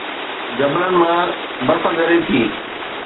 جبلن مان برف ڳري ٿي